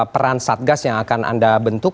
peran satgas yang akan anda bentuk